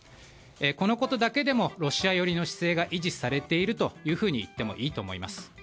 このことだけでもロシア寄りの姿勢が維持されているといってもいいと思います。